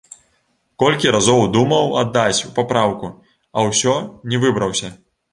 Колькі разоў думаў аддаць у папраўку, а ўсё не выбраўся.